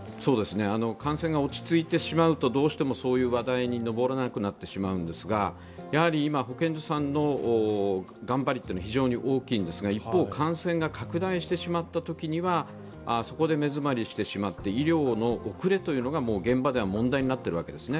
感染が落ち着いてしまうと、どうしてもそういう話題は上らなくなってしまうのですが、今、保健所さんの頑張りというのは、非常に大きいんですが、一方感染が拡大してしまったときにはそこで目詰まりしてしまって医療の遅れが現場では問題となっているんですね。